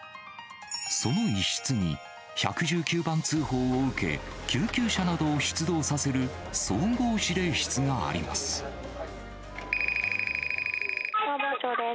その一室に、１１９番通報を受け、救急車などを出動させる、消防庁です。